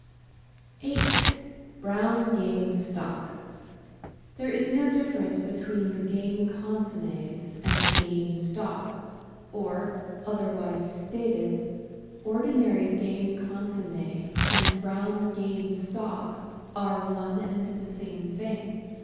8— BROWN GAME STOCK There is no difference between the game consommes and game stock, or, otherwise stated, ordinary game consomme and brown game stock are one and the same thing.